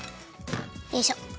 よいしょ。